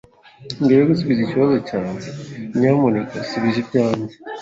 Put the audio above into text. Mbere yo gusubiza ikibazo cyawe, nyamuneka subiza ibyanjye.